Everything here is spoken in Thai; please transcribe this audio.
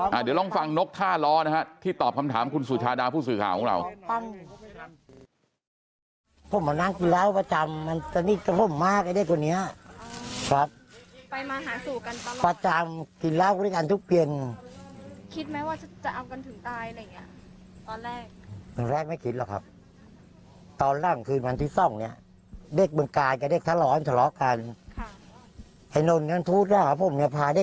เดี๋ยวลองฟังนกท่าล้อนะฮะที่ตอบคำถามคุณสุชาดาผู้สื่อข่าวของเรา